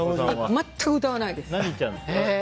全く歌わないです。